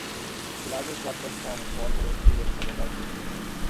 Large droplets form and fall over a period of about a decade.